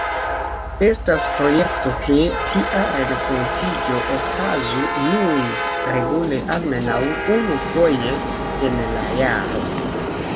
Estas projekto, ke tia renkontiĝo okazu nun regule almenaŭ unu-foje en la jaro.